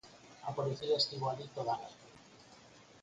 A policía estivo alí toda a noite.